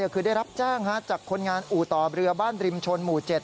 คือได้รับแจ้งจากคนงานอู่ต่อเรือบ้านริมชนหมู่๗